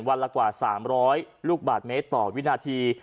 วันละกว่า๓๐๐ลูกบาทเมตรต่อวินาที